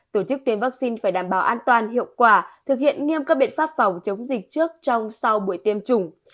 tổ chức tiêm vaccine phải đảm bảo an toàn hiệu quả thực hiện nghiêm các biện pháp phòng chống dịch trước trong sau buổi tiêm chủng